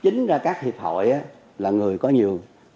chính ra các hiệp hội là người có nhiều nội dung